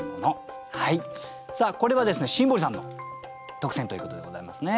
これは新堀さんの特選ということでございますね。